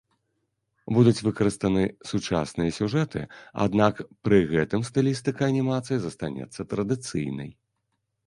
Будуць выкарыстаны сучасныя сюжэты, аднак пры гэтым стылістыка анімацыі застанецца традыцыйнай.